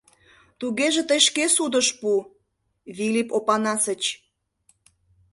— Тугеже тый шке судыш пу, Вилип Опанасыч.